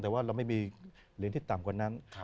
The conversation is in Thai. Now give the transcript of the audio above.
แต่ว่าเราไม่มีเหรียญที่ต่ำกว่านั้น